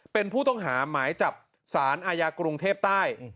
เป็นผู้ต้องหาหมายจับสารอาญากรุงเทพใต้